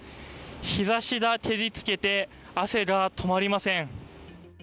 日ざしが照りつけて、汗が止まりません。